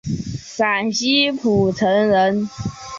陕西蒲城人。